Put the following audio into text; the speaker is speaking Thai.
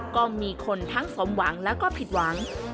ก็มีคนทั้งสมหวังแล้วก็ผิดหวัง